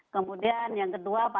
kemudian yang kedua pasang laptop